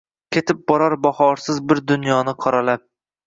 Ketib borar bahorsiz bir dunyoni qoralab.